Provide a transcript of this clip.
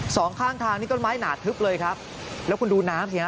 สองข้างทางนี่ต้นไม้หนาทึบเลยครับแล้วคุณดูน้ำสิฮะ